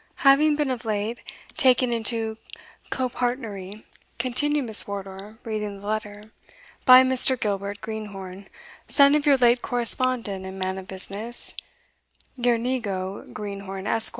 "Having been of late taken into copartnery," continued Miss Wardour, reading the letter, "by Mr. Gilbert Greenhorn, son of your late correspondent and man of business, Girnigo Greenhorn, Esq.